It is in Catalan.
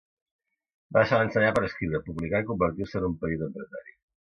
Va deixar d'ensenyar per escriure, publicar i convertir-se en un petit empresari.